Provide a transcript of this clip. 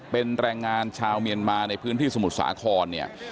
เป็นแรงงานชาวเมียนมาในพื้นที่สมุทรสาครเนี่ย